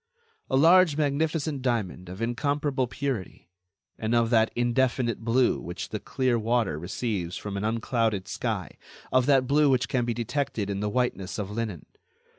A large magnificent diamond of incomparable purity, and of that indefinite blue which the clear water receives from an unclouded sky, of that blue which can be detected in the whiteness of linen.